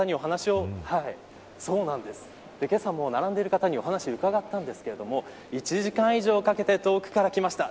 けさも並んでいる方にお話を伺ったんですけども１時間以上かけて遠くから来ました。